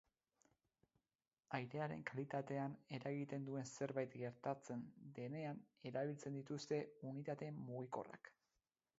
Airearen kalitatean eragiten duen zerbait gertatzen denean erabiltzen dituzte unitate mugikorrak.